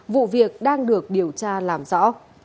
vụ việc đang được điều tra làm rõ